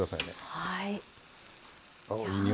はい。